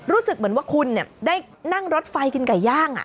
รู้สึกเหมือนว่าคุณได้นั่งรถไฟกินไก่ย่าง